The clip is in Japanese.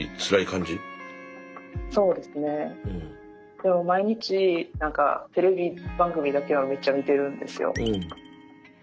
でも毎日テレビ番組だけはめっちゃ見てるんですよ。